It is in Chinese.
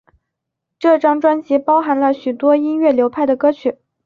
这张专辑包含了许多音乐流派的歌曲。